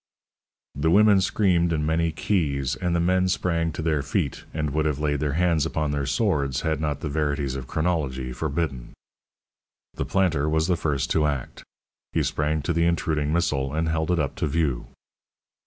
The women screamed in many keys, and the men sprang to their feet, and would have laid their hands upon their swords had not the verities of chronology forbidden. The planter was the first to act; he sprang to the intruding missile, and held it up to view.